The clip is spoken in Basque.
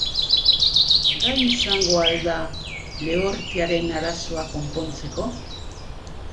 Gai izango al da lehortearen arazoa konpontzeko?